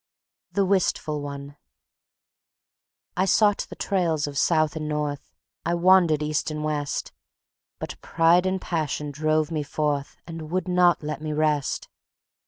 The Wistful One I sought the trails of South and North, I wandered East and West; But pride and passion drove me forth And would not let me rest.